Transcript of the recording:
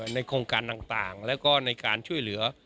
ในโครงการต่างแล้วก็ในการช่วยเหลือ